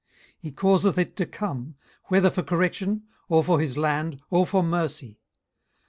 18:037:013 He causeth it to come, whether for correction, or for his land, or for mercy.